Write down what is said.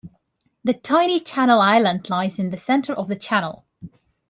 The tiny Channel Island lies in the centre of the channel.